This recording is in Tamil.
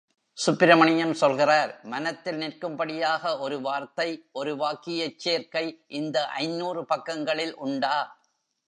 சுப்பிரமணியம் சொல்கிறார், மனத்தில் நிற்கும்படியாக ஒரு வார்த்தை ஒரு வாக்கியச் சேர்க்கை இந்த ஐந்நூறு பக்கங்களில் உண்டா?